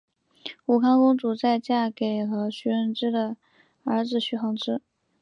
武康公主在嫁给了徐湛之的儿子徐恒之。